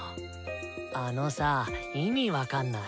あのさあイミ分かんない。